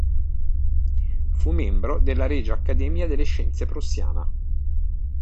Fu membro della Regia Accademia delle Scienze Prussiana.